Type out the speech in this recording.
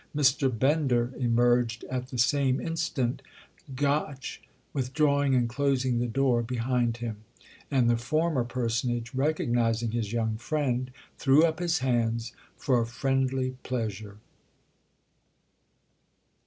Mr. Bender emerged at the same instant, Gotch withdrawing and closing the door behind him; and the former personage, recognising his young friend, threw up his hands for friendly pleasure.